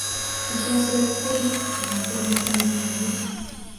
私はそれを恋だなんて思ってないけどね。